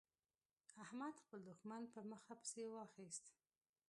احمد خپل دوښمن په مخه پسې واخيست.